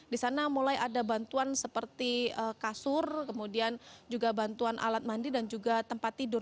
di sana mulai ada bantuan seperti kasur kemudian juga bantuan alat mandi dan juga tempat tidur